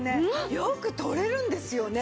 よく取れるんですよね。